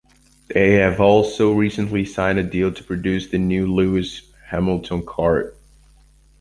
They have also recently signed a deal to produce the new Lewis Hamilton kart.